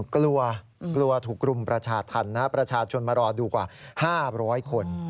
กลัวกลัวถูกรุมประชาธรรมนะครับประชาชนมารอดูกว่า๕๐๐คน